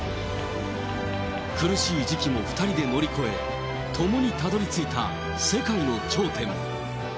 苦しい時期も２人で乗り越え、共にたどりついた世界の頂点。